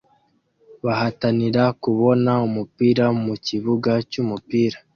bahatanira kubona umupira mukibuga cyumupira